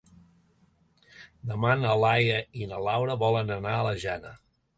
Demà na Laia i na Laura volen anar a la Jana.